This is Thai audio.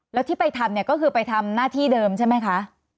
แล้วที่ไปทำเนี่ยก็คือไปทำหน้าที่เดิมใช่ไหมคะ